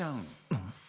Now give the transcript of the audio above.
うん？